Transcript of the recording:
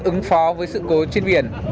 ứng phó với sự cố trên biển